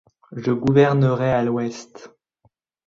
Je gouvernerai à l’ouest.